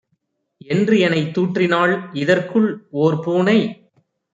என்றுஎனைத் தூற்றினாள். இதற்குள் ஓர்பூனை